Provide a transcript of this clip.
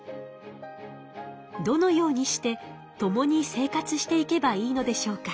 どのようにして共に生活していけばいいのでしょうか？